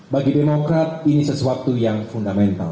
bagi demokrat ini sesuatu yang fundamental